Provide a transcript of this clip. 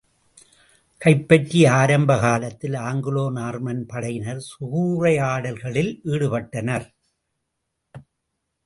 கைப்பற்றிய ஆரம்ப காலத்தில் ஆங்கிலோ நார்மன் படையினர் சூறையாடல்களில் ஈடுபட்டனர்.